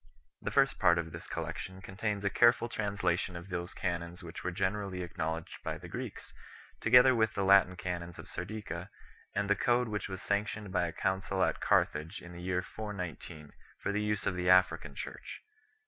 The first part of this collection contains a careful translation of those canons which were generally acknow ledged by the Greeks, together with the Latin canons of Sardica, and the code which was sanctioned by a council at Carthage in the year 41 9 for the use of the African Church.